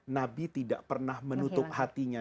nabi tidak pernah menutup hatinya